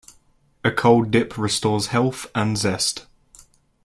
A cold dip restores health and zest.